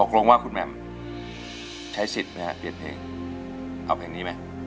ตกลงว่าคุณแหม่มใช้สิทธิ์ไหมฮะเปลี่ยนเพลงเอาเพลงนี้ไหม